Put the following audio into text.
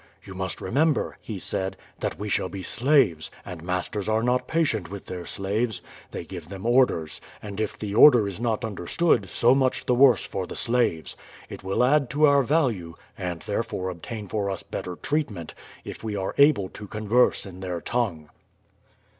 "You must remember," he said, "that we shall be slaves, and masters are not patient with their slaves. They give them orders, and if the order is not understood so much the worse for the slaves. It will add to our value, and therefore obtain for us better treatment, if we are able to converse in their tongue."